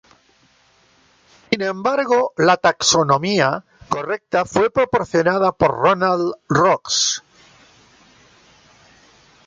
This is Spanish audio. Sin embargo, la taxonomía correcta fue proporcionada por Ronald Ross.